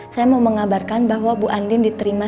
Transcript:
saya mau mengabarkan bahwa bu andin diterima